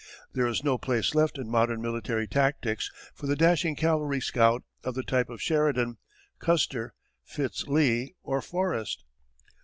There is no place left in modern military tactics for the dashing cavalry scout of the type of Sheridan, Custer, Fitz Lee, or Forrest.